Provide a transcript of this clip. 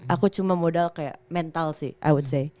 aku cuma modal kayak mental sih i would say